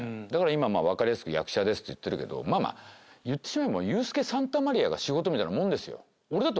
今分かりやすく「役者です」って言ってるけど言ってしまえばユースケ・サンタマリアが仕事みたいなもんですよ。